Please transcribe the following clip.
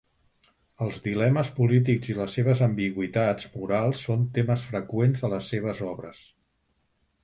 Els dilemes polítics i les seves ambigüitats morals són temes freqüents a les seves obres.